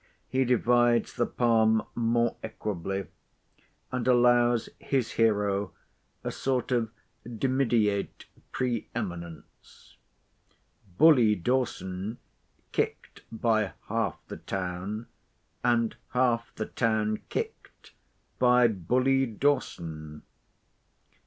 He divides the palm more equably, and allows his hero a sort of dimidiate pre eminence:—"Bully Dawson kicked by half the town, and half the town kicked by Bully Dawson."